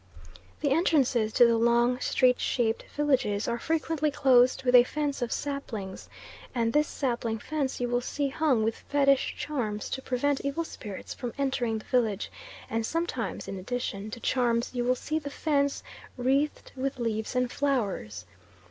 The entrances to the long street shaped villages are frequently closed with a fence of saplings and this sapling fence you will see hung with fetish charms to prevent evil spirits from entering the village and sometimes in addition to charms you will see the fence wreathed with leaves and flowers.